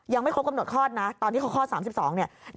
ยังไม่ครบกำหนดคลอดนะตอนที่เขาคลอด๓๒เนี่ย